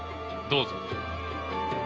どうぞ。